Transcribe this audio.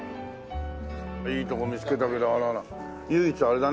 いいとこ見つけたけどあらあら唯一あれだね